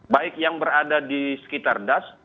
baik yang berada di sekitar das